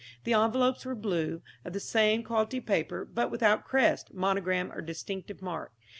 The envelopes were blue, of the same quality paper, but without crest, monogram or distinctive mark.